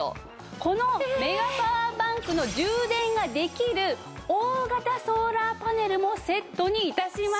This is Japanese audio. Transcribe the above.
このメガパワーバンクの充電ができる大型ソーラーパネルもセットに致しました。